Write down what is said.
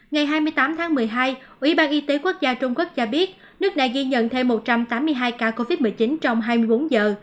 ngày hai mươi tám tháng một mươi hai ủy ban y tế quốc gia trung quốc cho biết nước này ghi nhận thêm một trăm tám mươi hai ca covid một mươi chín trong hai mươi bốn giờ